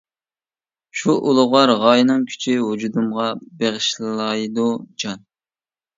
شۇ ئۇلۇغۋار غايىنىڭ كۈچى، ۋۇجۇدۇمغا بېغىشلايدۇ جان.